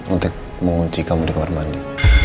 untuk mengunci kamu di kamar mandi